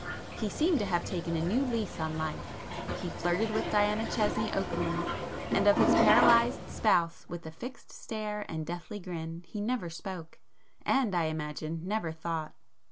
He seemed to have taken a new lease of life,—he flirted with Diana Chesney openly,—and of his paralysed spouse with the fixed stare and deathly grin, he never spoke, and, I imagine, never thought.